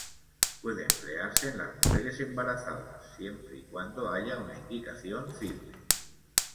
Puede emplearse en las mujeres embarazadas siempre y cuando haya una indicación firme.